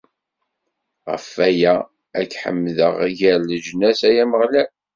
Ɣef waya, ad k-ḥemdeɣ gar leǧnas, ay Ameɣlal!